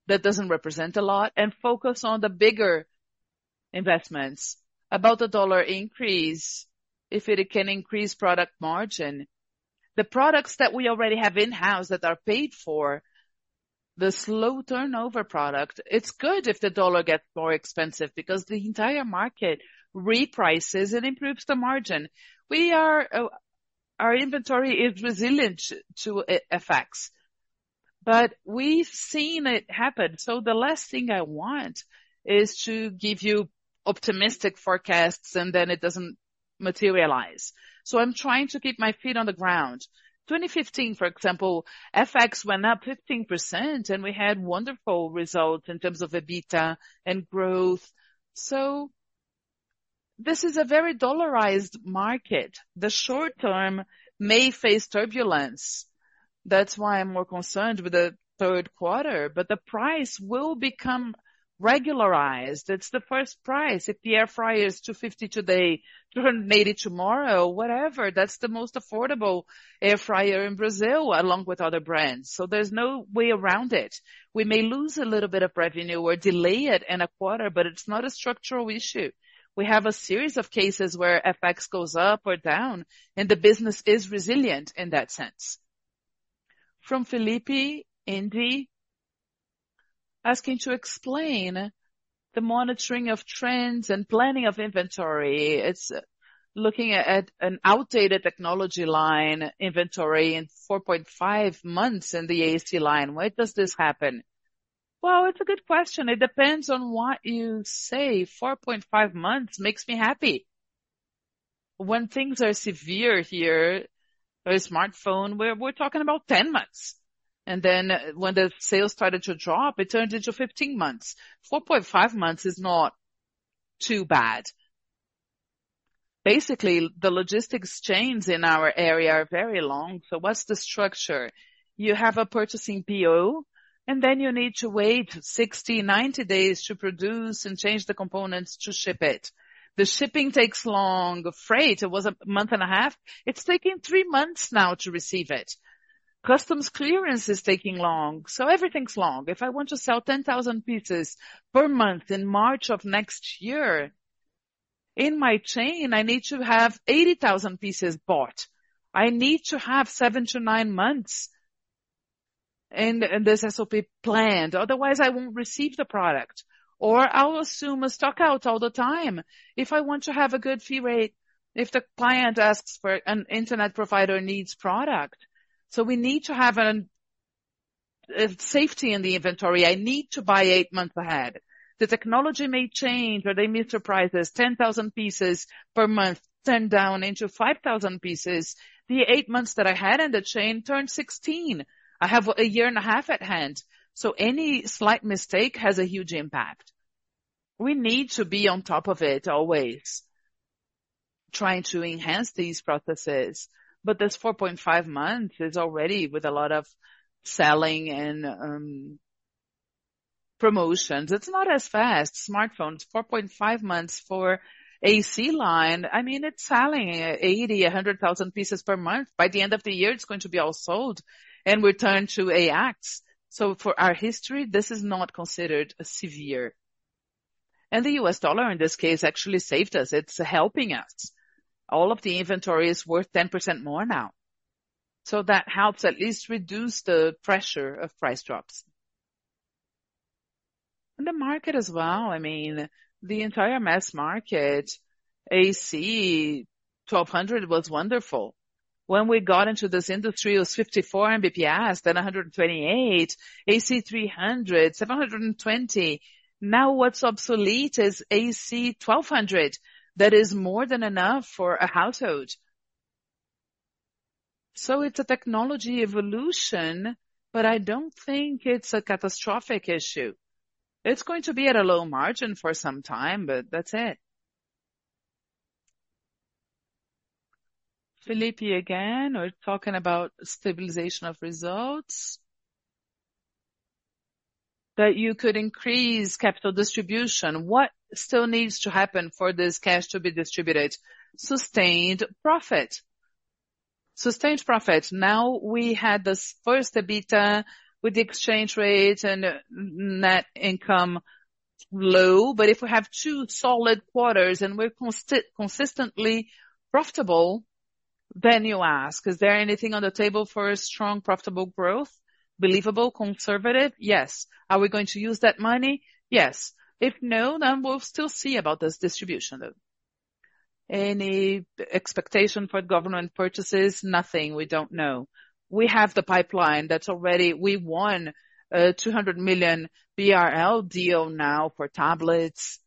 that doesn't represent a lot, and focus on the bigger investments. About the dollar increase, if it can increase product margin, the products that we already have in-house that are paid for, the slow turnover product, it's good if the dollar gets more expensive, because the entire market reprices and improves the margin. Our inventory is resilient to FX, but we've seen it happen. So the last thing I want is to give you optimistic forecasts, and then it doesn't materialize. So I'm trying to keep my feet on the ground. 2015, for example, FX went up 15%, and we had wonderful results in terms of EBITDA and growth. So this is a very dollarized market. The short term may face turbulence. That's why I'm more concerned with the third quarter, but the price will become regularized. It's the first price. If the air fryer is 250 today, 280 tomorrow, whatever, that's the most affordable air fryer in Brazil, along with other brands. So there's no way around it. We may lose a little bit of revenue or delay it in a quarter, but it's not a structural issue. We have a series of cases where FX goes up or down, and the business is resilient in that sense. From Felipe [Indie Capital], asking to explain the monitoring of trends and planning of inventory. It's looking at, at an outdated technology line inventory in 4.5 months in the AC line. Why does this happen? Well, it's a good question. It depends on what you say. 4.5 months makes me happy. When things are severe here, a smartphone, we're, we're talking about 10 months, and then when the sales started to drop, it turned into 15 months. 4.5 months is not too bad. Basically, the logistics chains in our area are very long. So what's the structure? You have a purchasing PO, and then you need to wait 60-90 days to produce and change the components to ship it. The shipping takes long. Freight, it was 1.5 months. It's taking three months now to receive it. Customs clearance is taking long, so everything's long. If I want to sell 10,000 pieces per month in March of next year, in my chain, I need to have 80,000 pieces bought. I need to have seven to nine months, and this S&OP planned, otherwise I won't receive the product, or I'll assume a stock out all the time. If I want to have a good fee rate, if the client asks for an internet provider needs product. So we need to have safety in the inventory, I need to buy 8 months ahead. The technology may change, or they may surprise us. 10,000 pieces per month turn down into 5,000 pieces, the 8 months that I had in the chain turned 16. I have a year and a half at hand, so any slight mistake has a huge impact. We need to be on top of it, always, trying to enhance these processes. But this 4.5 months is already with a lot of selling and promotions. It's not as fast. Smartphones, 4.5 months for AC line, I mean, it's selling 80-100 pieces per month. By the end of the year, it's going to be all sold, and we turn to AX. So for our history, this is not considered severe. And the U.S. dollar, in this case, actually saved us. It's helping us. All of the inventory is worth 10% more now, so that helps at least reduce the pressure of price drops. And the market as well, I mean, the entire mass market, AC 1200 was wonderful. When we got into this industry, it was 54 Mbps, then 128 Mbps, AC 300 Mbps, 720 Mbps. Now, what's obsolete is AC 1200. That is more than enough for a household. So it's a technology evolution, but I don't think it's a catastrophic issue. It's going to be at a low margin for some time, but that's it. Felipe, again. We're talking about stabilization of results. That you could increase capital distribution. What still needs to happen for this cash to be distributed? Sustained profit. Sustained profit. Now, we had this first EBITDA with the exchange rate and net income low, but if we have two solid quarters and we're consistently profitable, then you ask, "Is there anything on the table for a strong, profitable growth? Believable, conservative?" Yes. Are we going to use that money? Yes. If no, then we'll still see about this distribution, though. Any expectation for government purchases? Nothing. We don't know. We have the pipeline that's already... We won a 200 million BRL deal now for tablets.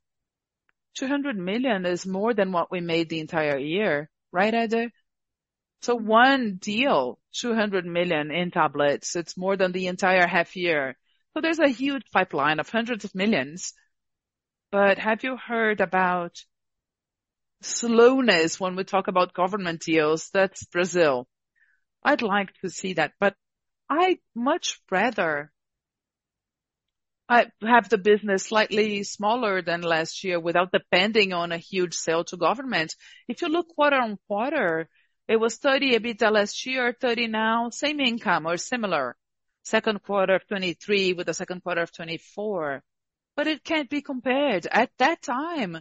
200 million is more than what we made the entire year, right, Eder? So one deal, 200 million in tablets, it's more than the entire half year. So there's a huge pipeline of 100 millions. But have you heard about slowness when we talk about government deals? That's Brazil. I'd like to see that, but I'd much rather I have the business slightly smaller than last year without depending on a huge sale to government. If you look quarter-on-quarter, it was 30 EBITDA last year, 30 now, same income or similar. Second quarter of 2023 with the second quarter of 2024. But it can't be compared. At that time,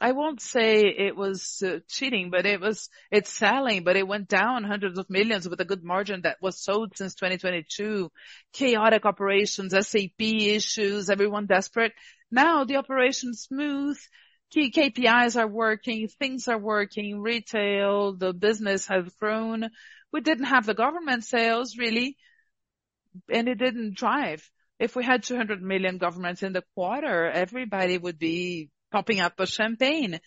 I won't say it was cheating, but it was—it's selling, but it went down BRL hundreds of millions with a good margin that was sold since 2022. Chaotic operations, SAP issues, everyone desperate. Now, the operation's smooth, key KPIs are working, things are working, retail, the business have grown. We didn't have the government sales, really, and it didn't drive. If we had 200 million governments in the quarter, everybody would be popping up a champagne.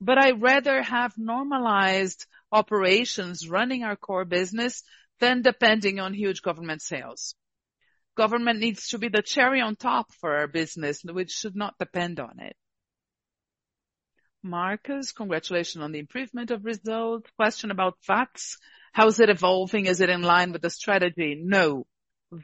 But I'd rather have normalized operations running our core business than depending on huge government sales. Government needs to be the cherry on top for our business, which should not depend on it. Marcus. Congratulations on the improvement of result. Question about Watts. How is it evolving? Is it in line with the strategy? No,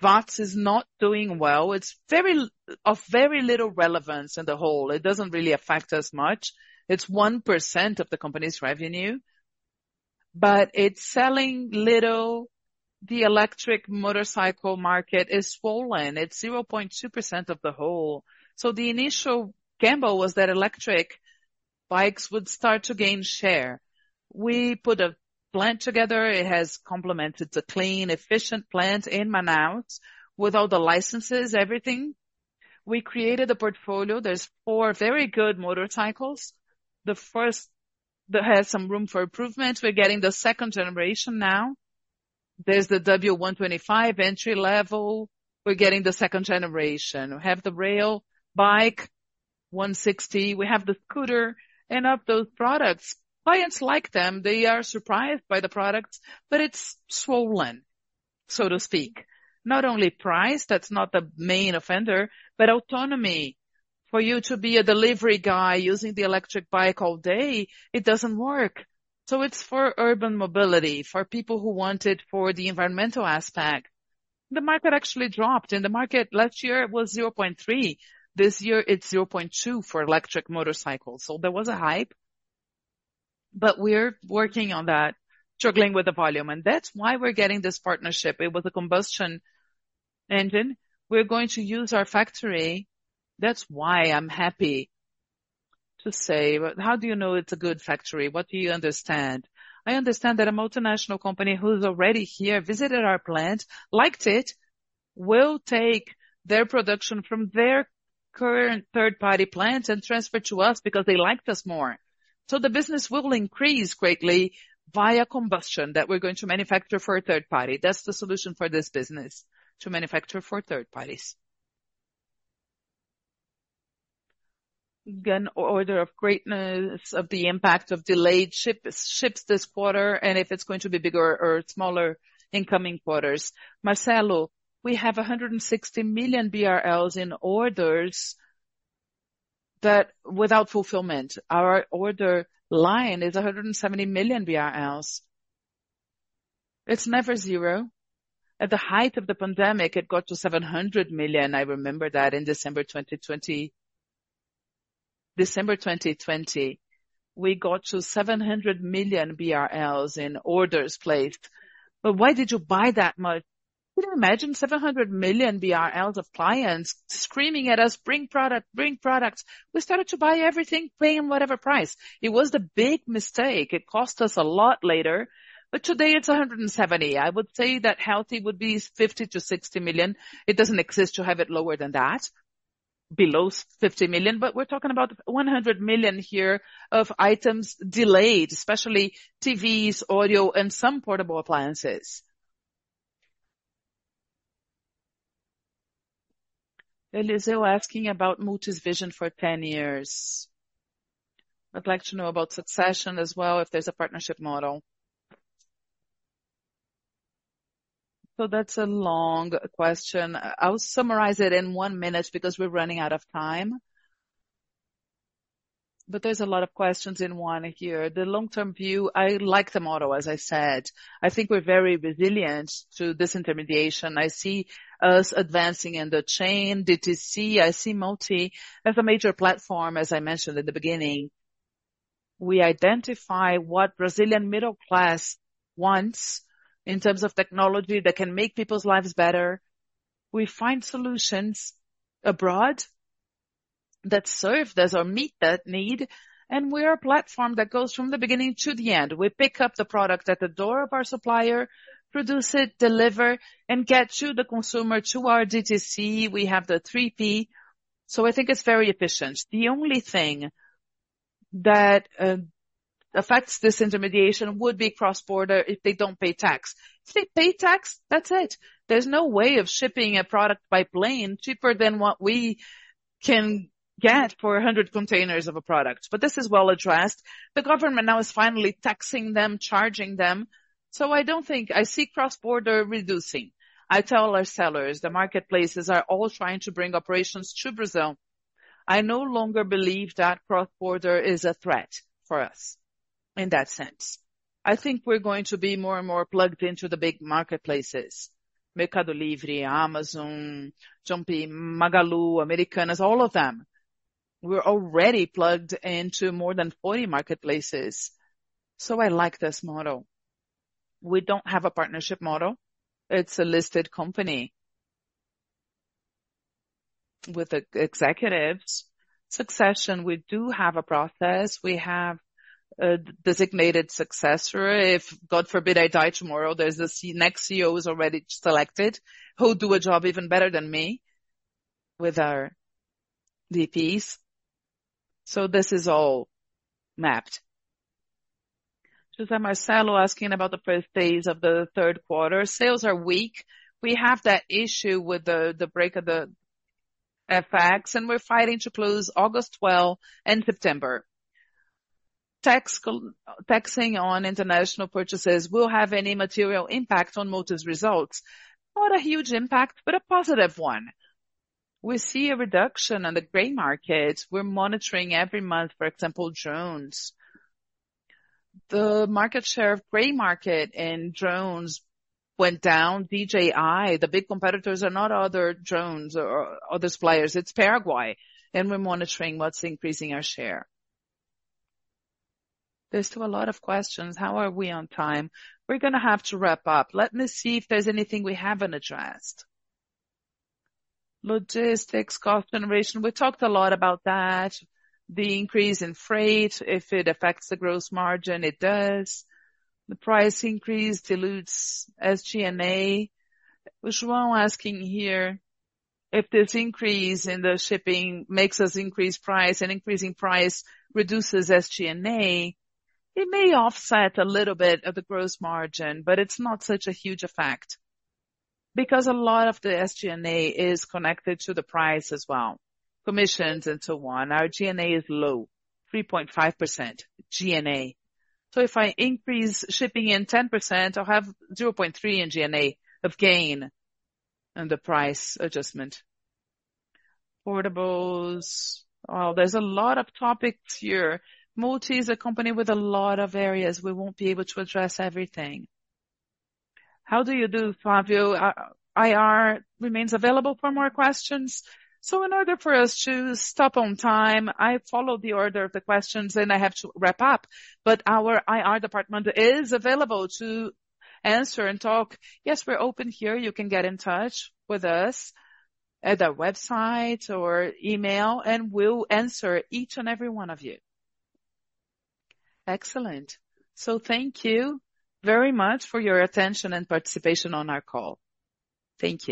Watts is not doing well. It's very of very little relevance in the whole. It doesn't really affect us much. It's 1% of the company's revenue, but it's selling little. The electric motorcycle market is slowing. It's 0.2% of the whole. So the initial gamble was that electric bikes would start to gain share. We put a plan together. It has complemented. It's a clean, efficient plant in Manaus, with all the licenses, everything. We created a portfolio. There's four very good motorcycles. The first that has some room for improvement, we're getting the second generation now. There's the W125 entry level. We're getting the second generation. We have the trail bike, 160, we have the scooter. And of those products, clients like them, they are surprised by the products, but it's slowing, so to speak. Not only price, that's not the main offender, but autonomy. For you to be a delivery guy using the electric bike all day, it doesn't work. So it's for urban mobility, for people who want it for the environmental aspect. The market actually dropped. In the market last year, it was 0.3%. This year, it's 0.2% for electric motorcycles. So there was a hype, but we're working on that, struggling with the volume, and that's why we're getting this partnership. It was a combustion engine. We're going to use our factory. That's why I'm happy to say. But how do you know it's a good factory? What do you understand? I understand that a multinational company who's already here, visited our plant, liked it. Will take their production from their current third-party plants and transfer to us because they like us more. So the business will increase greatly via combustion that we're going to manufacture for a third party. That's the solution for this business, to manufacture for third parties. Again, order of greatness of the impact of delayed ship, ships this quarter, and if it's going to be bigger or smaller in coming quarters. Marcelo, we have 160 million BRL in orders that without fulfillment. Our order line is 170 million BRL. It's never zero. At the height of the pandemic, it got to 700 million. I remember that in December 2020. December 2020, we got to 700 million BRL in orders placed. But why did you buy that much? Can you imagine 700 million BRL of clients screaming at us, "Bring product, bring products!" We started to buy everything, paying whatever price. It was the big mistake. It cost us a lot later, but today it's 170 million. I would say that healthy would be 50 million-60 million. It doesn't exist to have it lower than that, below 50 million, but we're talking about 100 million here of items delayed, especially TVs, audio, and some portable appliances. Eliseo is asking about Multi's vision for 10 years. I'd like to know about succession as well, if there's a partnership model. So that's a long question. I'll summarize it in one minute because we're running out of time. But there's a lot of questions in one here. The long-term view, I like the model, as I said. I think we're very resilient to disintermediation. I see us advancing in the chain, DTC. I see Multi as a major platform, as I mentioned at the beginning. We identify what Brazilian middle class wants in terms of technology that can make people's lives better. We find solutions abroad that serve those or meet that need, and we're a platform that goes from the beginning to the end. We pick up the product at the door of our supplier, produce it, deliver, and get to the consumer, to our DTC. We have the 3P. So I think it's very efficient. The only thing that affects this intermediation would be cross-border if they don't pay tax. If they pay tax, that's it. There's no way of shipping a product by plane cheaper than what we can get for 100 containers of a product, but this is well addressed. The government now is finally taxing them, charging them, so I don't think I see cross-border reducing. I tell our sellers, the marketplaces are all trying to bring operations to Brazil. I no longer believe that cross-border is a threat for us in that sense. I think we're going to be more and more plugged into the big marketplaces, Mercado Livre, Amazon, Shopee, Magalu, Americanas, all of them. We're already plugged into more than 40 marketplaces, so I like this model. We don't have a partnership model. It's a listed company with ex-executives. Succession, we do have a process. We have a designated successor. If, God forbid, I die tomorrow, there's this next CEO is already selected, who'll do a job even better than me with our VPs. So this is all mapped. José Marcelo asking about the first days of the third quarter. Sales are weak. We have that issue with the break of the FX, and we're fighting to close August 12 and September. Taxing on international purchases will have any material impact on Multi's results. Not a huge impact, but a positive one. We see a reduction on the gray markets. We're monitoring every month, for example, drones. The market share of gray market and drones went down. DJI, the big competitors, are not other drones or, or other suppliers, it's Paraguay, and we're monitoring what's increasing our share. There's still a lot of questions. How are we on time? We're gonna have to wrap up. Let me see if there's anything we haven't addressed. Logistics, cost generation, we talked a lot about that. The increase in freight, if it affects the gross margin, it does. The price increase dilutes SG&A. João asking here, if this increase in the shipping makes us increase price, and increasing price reduces SG&A, it may offset a little bit of the gross margin, but it's not such a huge effect. Because a lot of the SG&A is connected to the price as well, commissions and so on. Our G&A is low, 3.5% G&A. So if I increase shipping in 10%, I'll have 0.3 in G&A of gain and the price adjustment. Portables... Oh, there's a lot of topics here. Multi is a company with a lot of areas. We won't be able to address everything. How do you do, Flavio? IR remains available for more questions. So in order for us to stop on time, I followed the order of the questions, and I have to wrap up, but our IR department is available to answer and talk. Yes, we're open here. You can get in touch with us at our website or email, and we'll answer each and every one of you. Excellent. So thank you very much for your attention and participation on our call. Thank you.